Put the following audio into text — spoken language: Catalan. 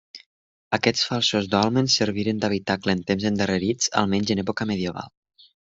Aquests falsos dòlmens serviren d'habitacle en temps endarrerits, almenys en època medieval.